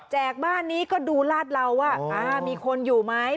บ้านนี้ก็ดูลาดเราว่ามีคนอยู่ไหม